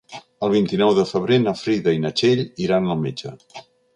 El vint-i-nou de febrer na Frida i na Txell iran al metge.